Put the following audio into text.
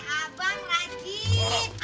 apa berarti ibu abang